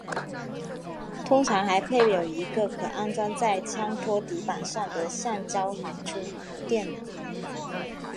通常还配有一个可安装在枪托底板上的橡胶缓冲垫。